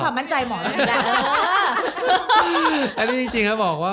ไม่มีทางไม่ปิดหรอกแต่พอปิดเสร็จก็เอาเช็นน้ำตากูหน่อยละกัน